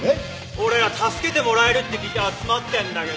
俺ら助けてもらえるって聞いて集まってんだけど！